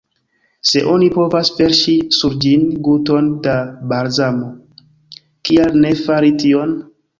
Se oni povas verŝi sur ĝin guton da balzamo, kial ne fari tion?